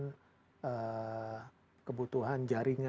dan ini akan lebih gampang di monitor juga biasanya